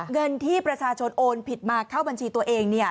เงินที่ประชาชนโอนผิดมาเข้าบัญชีตัวเอง